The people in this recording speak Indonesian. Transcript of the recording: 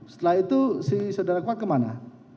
setelah itu si saudara kuat kemana